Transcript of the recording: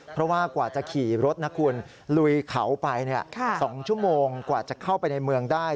เพราะว่ากว่าจะขี่รถนะคุณลุยเขาไป๒ชั่วโมงกว่าจะเข้าไปในเมืองได้